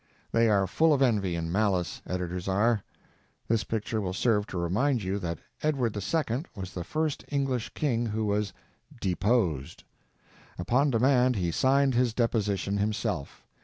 They are full of envy and malice, editors are. This picture will serve to remind you that Edward II. was the first English king who was deposed. Upon demand, he signed his deposition himself.